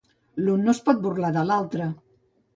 L'un no es pot burlar de l'altre.